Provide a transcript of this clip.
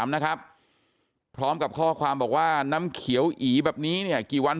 นะครับพร้อมกับข้อความบอกว่าน้ำเขียวอีแบบนี้เนี่ยกี่วัน